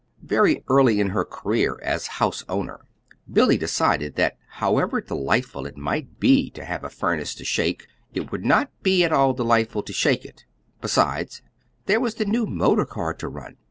Very early in her career as house owner, Billy decided that however delightful it might be to have a furnace to shake, it would not be at all delightful to shake it; besides, there was the new motor car to run.